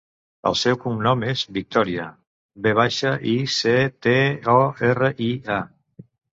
El seu cognom és Victoria: ve baixa, i, ce, te, o, erra, i, a.